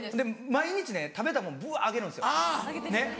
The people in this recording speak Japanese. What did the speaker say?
毎日ね食べたものブワ上げるんですよねっ。